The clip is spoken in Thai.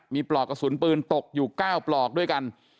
มีปลอกกระสุนปืนตกอยู่๙ปลอกด้วยกัน